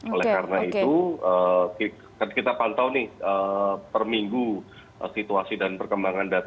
oleh karena itu kita pantau perminggu situasi dan perkembangan data